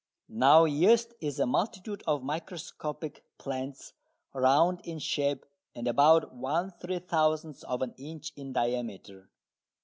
Now yeast is a multitude of microscopic plants round in shape and about one three thousandth of an inch in diameter.